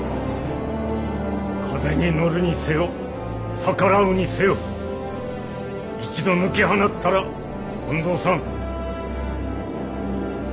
風に乗るにせよ逆らうにせよ一度抜き放ったら近藤さん。